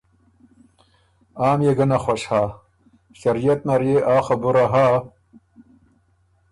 آ ميې ګۀ نک خوش هۀ۔ شریعت نر يې آ خبُره هۀ